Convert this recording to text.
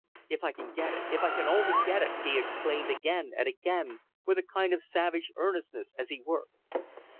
"If I can get it! If I can only get it!" he exclaimed again and again, with a kind of savage earnestness, as he worked.